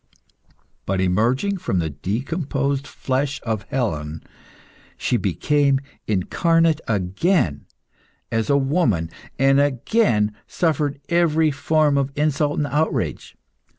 But, emerging from the decomposed flesh of Helen, she became incarnate again as a woman, and again suffered every form of insult and outrage.